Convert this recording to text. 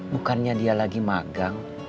bukannya dia lagi magang